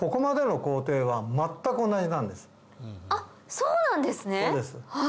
そうなんですね？